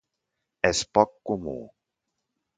És poc comú.